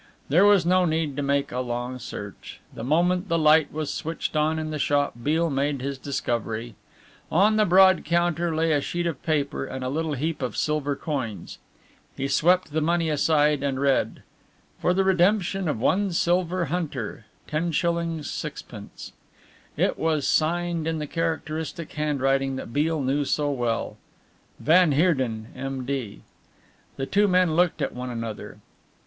There was no need to make a long search. The moment the light was switched on in the shop Beale made his discovery. On the broad counter lay a sheet of paper and a little heap of silver coins. He swept the money aside and read: "For the redemption of one silver hunter, 10s. 6d." It was signed in the characteristic handwriting that Beale knew so well "Van Heerden, M.D." The two men looked at one another.